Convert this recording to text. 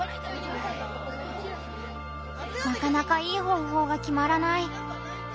なかなかいい方法が決まらない。